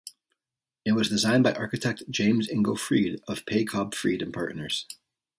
It was designed by architect James Ingo Freed of Pei Cobb Freed and Partners.